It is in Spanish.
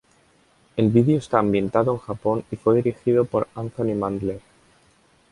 El video está ambientado en Japón y fue dirigido por Anthony Mandler.